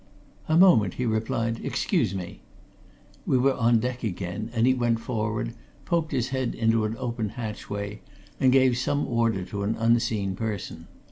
"A moment," he replied. "Excuse me." We were on deck again, and he went forward, poked his head into an open hatchway, and gave some order to an unseen person.